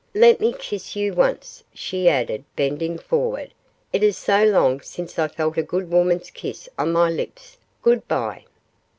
Let me kiss you once,' she added, bending forward, 'it is so long since I felt a good woman's kiss on my lips. Good bye.